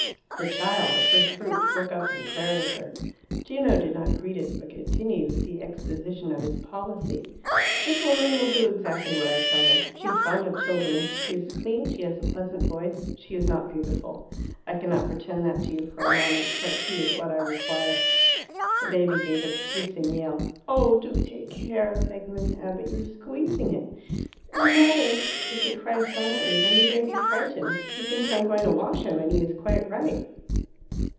The child, the first fruits, woke up and glared at her. Gino did not greet it, but continued the exposition of his policy. "This woman will do exactly what I tell her. She is fond of children. She is clean; she has a pleasant voice. She is not beautiful; I cannot pretend that to you for a moment. But she is what I require." The baby gave a piercing yell. "Oh, do take care!" begged Miss Abbott. "You are squeezing it." "It is nothing. If he cries silently then you may be frightened. He thinks I am going to wash him, and he is quite right."